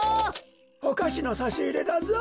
おかしのさしいれだぞ。